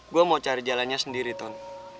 gue mau cari jalannya sendiri ton